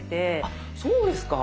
あそうですか。